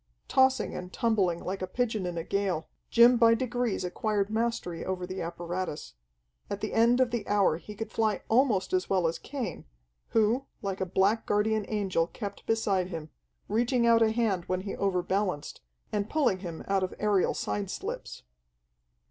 Tossing and tumbling like a pigeon in a gale, Jim by degrees acquired mastery over the apparatus. At the end of the hour he could fly almost as well as Cain, who, like a black guardian angel kept beside him, reaching out a hand when he overbalanced, and pulling him out of aerial side slips.